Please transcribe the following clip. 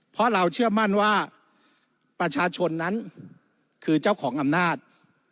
เพราะเราเชื่อมั่นว่าประชาชนนั้นคือเจ้าของอำนาจ